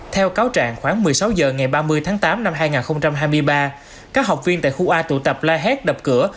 theo cáo trạng khoảng một mươi sáu h ngày ba mươi tháng tám năm hai nghìn hai mươi ba các học viên tại khu a tụ tập la hét đập cửa